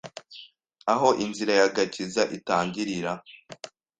Aho inzira y'agakiza itangirira